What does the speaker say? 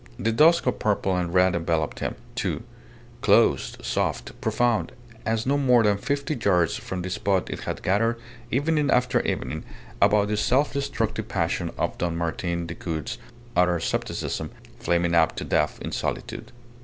The dusk of purple and red enveloped him, too close, soft, profound, as no more than fifty yards from that spot it had gathered evening after evening about the self destructive passion of Don Martin Decoud's utter scepticism, flaming up to death in solitude.